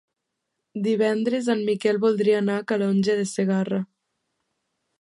Divendres en Miquel voldria anar a Calonge de Segarra.